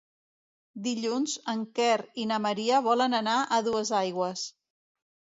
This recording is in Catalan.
Dilluns en Quer i na Maria volen anar a Duesaigües.